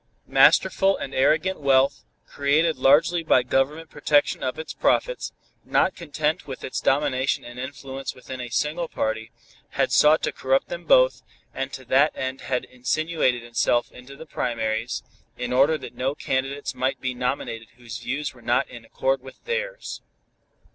Masterful and arrogant wealth, created largely by Government protection of its profits, not content with its domination and influence within a single party, had sought to corrupt them both, and to that end had insinuated itself into the primaries, in order that no candidates might be nominated whose views were not in accord with theirs.